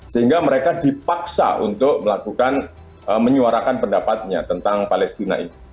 sehingga mereka dipaksa untuk melakukan menyuarakan pendapatnya tentang palestina ini